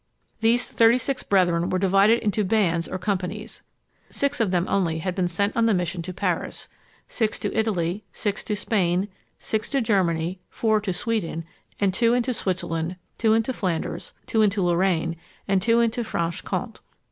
These thirty six brethren were divided into bands or companies: six of them only had been sent on the mission to Paris, six to Italy, six to Spain, six to Germany, four to Sweden, and two into Switzerland, two into Flanders, two into Lorraine, and two into Franche Comté.